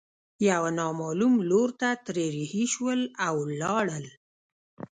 يوه نامعلوم لور ته ترې رهي شول او ولاړل.